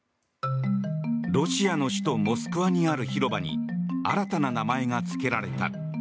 ロシアの首都モスクワにある広場に新たな名前がつけられた。